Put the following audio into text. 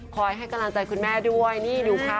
ให้กำลังใจคุณแม่ด้วยนี่ดูค่ะ